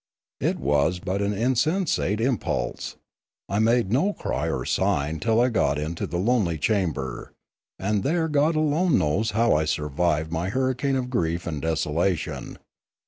It was but an insensate im pulse. I made no cry or sign till I got into the lonely chamber; and there God alone knows how I survived my hurricane of grief and desolation.